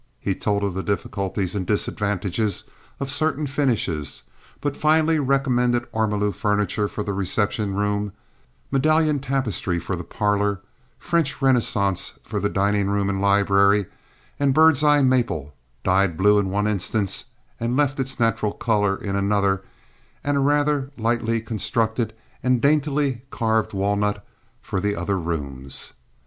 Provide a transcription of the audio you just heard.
He told of the difficulties and disadvantages of certain finishes, but finally recommended ormolu furniture for the reception room, medallion tapestry for the parlor, French renaissance for the dining room and library, and bird's eye maple (dyed blue in one instance, and left its natural color in another) and a rather lightly constructed and daintily carved walnut for the other rooms.